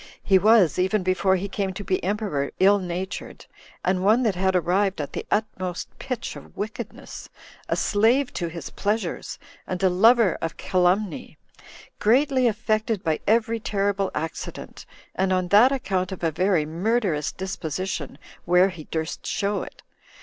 He was, even before he came to be emperor, ill natured, and one that had arrived at the utmost pitch of wickedness; a slave to his pleasures, and a lover of calumny; greatly affected by every terrible accident, and on that account of a very murderous disposition where he durst show it.